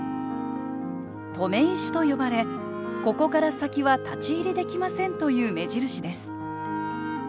留め石と呼ばれここから先は立ち入りできませんという目印です。